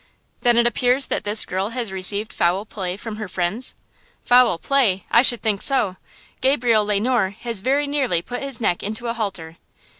"Then it appears that this girl has received foul play from her friends?" "Foul play! I should think so! Gabriel Le Noir has very nearly put his neck into a halter."